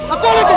aku alih tuh